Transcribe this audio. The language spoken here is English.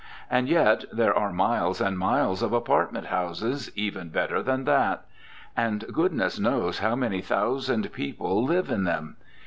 And yet, there are miles and miles of apartment houses even better than that. And goodness knows how many thousand people live in them!